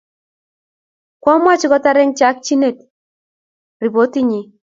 Kyamwachi kotar eng chakchinet ripotinyi.